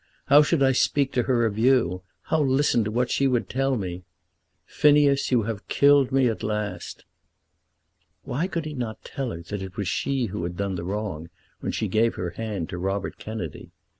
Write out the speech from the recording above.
How should I speak to her of you; how listen to what she would tell me? Phineas, you have killed me at last." Why could he not tell her that it was she who had done the wrong when she gave her hand to Robert Kennedy?